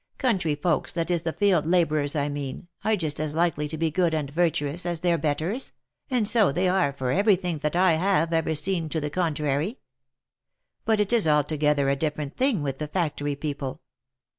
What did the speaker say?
Country folks, that is the field labourers I mean, are just as likely to be good and virtuous, as their betters, and so they are for every thing that I have ever seen to the contrary. But it is altogether a different thing with the factory people.